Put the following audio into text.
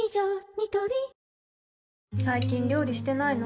ニトリ最近料理してないの？